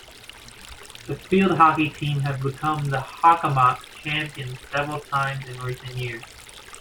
The field hockey team have been the Hockomock Champions several times in recent years.